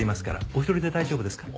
お一人で大丈夫ですか？